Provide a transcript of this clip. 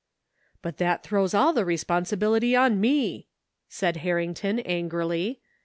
" But that throws all the responsibility on me," said Harrington angrily.